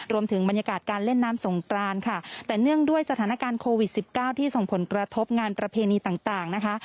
รวมถึงบรรยากาศการเล่นน้ำสงกรานค่ะแต่เนื่องด้วยสถานการณ์โควิด๑๙ที่ส่งผลกระทบงานประเพณีต่างนะคะ